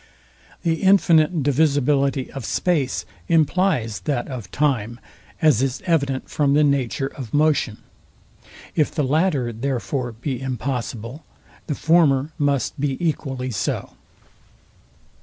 The infinite divisibility of space implies that of time, as is evident from the nature of motion. If the latter, therefore, be impossible, the former must be equally so.